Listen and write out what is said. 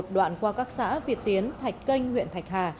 đoạn qua các xã việt tiến thạch canh huyện thạch hà